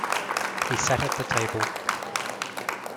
He sat at the table.